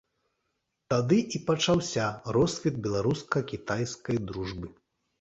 Тады і пачаўся росквіт беларуска-кітайскай дружбы.